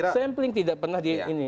sampling tidak pernah di ini